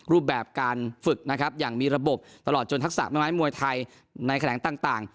รูปแบบการฝึกนะครับอย่างมีระบบตลอดจนทักษะแม่ไม้มวยไทยในแถลงต่าง